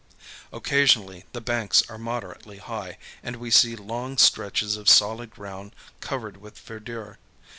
Occasionally the banks are moderately high, and we see long stretches of solid ground covered with verdure.